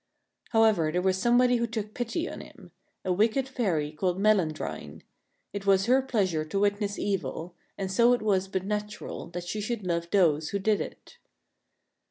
However, there was somebody who took pity on him — a wicked fairy called Melandrine. It was her pleasure to witness evil, and so it was but natural that she should love those who did it.